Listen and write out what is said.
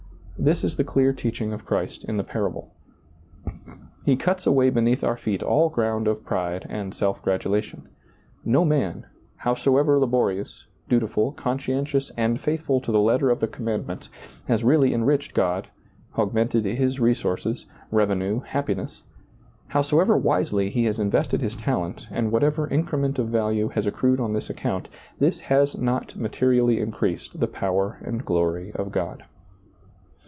This is the clear teaching of Christ in the parable. He cuts away beneath our feet all ground of pride and self gratulation. No man, howsoever labori ous, dutiful, conscientious, and faithful to the letter of the commandment, has really enriched God, augmented His resources, revenue, hap piness ; howsoever wisely he has invested his talent and whatever increment of value has ac crued on this account, this has not materially increased the power and glory of God.